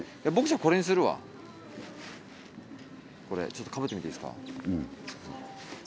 これちょっとかぶってみていいっすか？